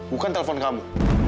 bukan telepon kamu